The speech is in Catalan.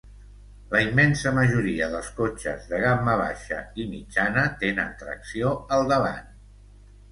La immensa majoria dels cotxes de gamma baixa i mitjana tenen tracció al davant.